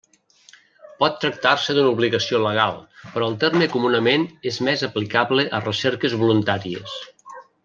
Pot tractar-se d'una obligació legal, però el terme comunament és més aplicable a recerques voluntàries.